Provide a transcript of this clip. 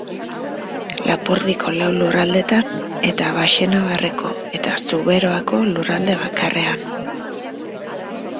Lapurdiko lau lurraldetan, eta Baxenabarreko eta Zuberoako lurralde bakarrean.